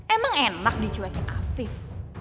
emang enak dicuekin afif